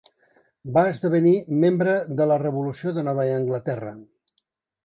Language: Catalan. Va esdevenir membre de la Revolució de Nova Anglaterra.